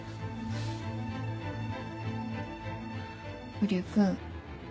瓜生君。